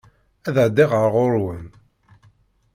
Ad d-ɛeddiɣ ar ɣuṛ-wen.